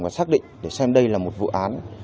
và xác định để xem đây là một vụ án